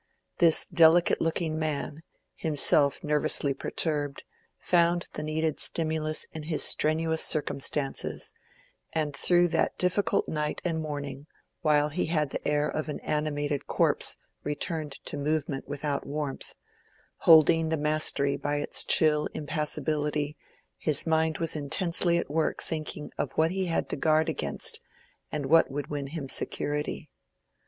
This delicate looking man, himself nervously perturbed, found the needed stimulus in his strenuous circumstances, and through that difficult night and morning, while he had the air of an animated corpse returned to movement without warmth, holding the mastery by its chill impassibility, his mind was intensely at work thinking of what he had to guard against and what would win him security.